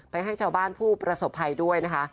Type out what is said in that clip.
ให้ชาวบ้านผู้ประสบภัยด้วยนะคะ